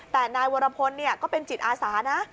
แต่นายวรพลก็เป็นจิตอาสานะ